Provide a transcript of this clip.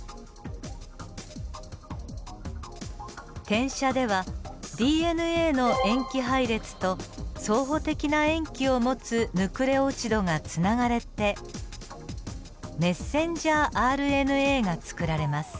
転写ではＤＮＡの塩基配列と相補的な塩基を持つヌクレオチドがつながれてｍＲＮＡが作られます。